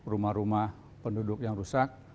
rumah rumah penduduk yang rusak